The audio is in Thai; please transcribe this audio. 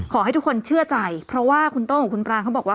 ขอให้ทุกคนเชื่อใจเพราะว่าคุณโต้กับคุณปรางเขาบอกว่า